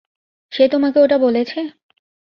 সে তোমাকে ওটা বলেছে?